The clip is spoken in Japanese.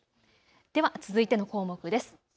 では続いての項目です。